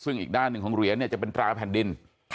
ซึ่งอีกด้านหนึ่งของเหรียญจะเป็นตราแผ่นดิน